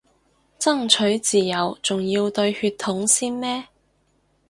爭取自由仲要對血統先咩